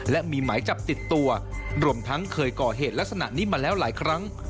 และมีหมายจับติดตัวรวมทั้งเคยก่อเหตุลักษณะนี้มาแล้วหลายครั้ง